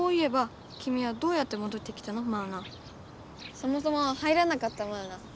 そもそも入らなかったマウナ。